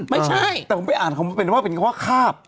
ไม่ใช่แต่ผมไปอ่านคำเป็นว่าคาบ